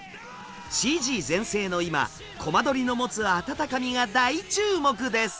ＣＧ全盛の今コマ撮りの持つ温かみが大注目です。